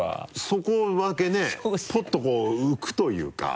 そこだけねポッとこう浮くというか。